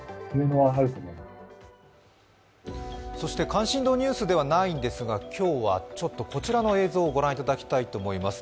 関心度ニュースではないんですが、今日はこちらの映像をご覧いただきたいと思います。